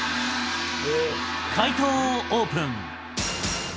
解答をオープン。